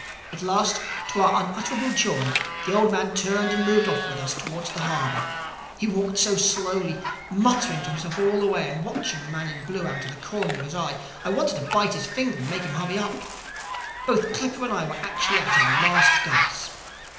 "At last, to our unutterable joy, the old man turned and moved off with us towards the harbor. He walked so slowly, muttering to himself all the way and watching the man in blue out of the corner of his eye, that I wanted to bite his finger to make him hurry up. Both Clippa and I were actually at our last gasp.